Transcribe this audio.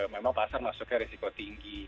memang pasar masuknya risiko tinggi